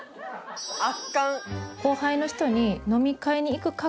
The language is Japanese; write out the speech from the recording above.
圧巻。